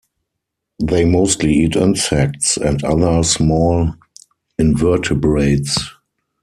They mostly eat insects and other small invertebrates.